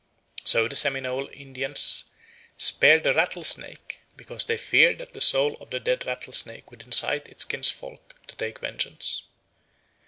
So the Seminole Indians spared the rattlesnake, because they feared that the soul of the dead rattlesnake would incite its kinsfolk to take vengeance.